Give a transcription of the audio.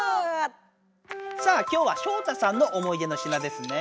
さあ今日はショウタさんの思い出の品ですね。